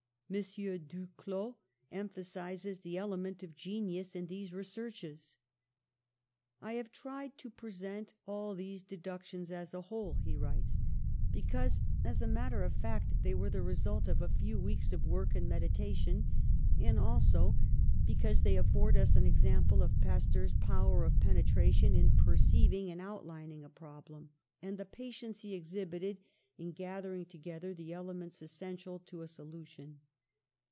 M. Duclaux emphasises the element of genius in these researches: ^^I have tried to present all these deductions as a whole," he writes, "because as a matter of fact they were the result of a few weeks of work and meditation, and also because they afford us an example of Pasteur's power of pen etration in perceiving and outlining a problem, and the patience he exhibited in gathering to gether the elements essential to a solution.